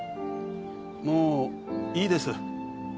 もういいです。